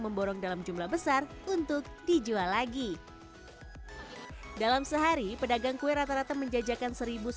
memborong dalam jumlah besar untuk dijual lagi dalam sehari pedagang kue rata rata menjajakan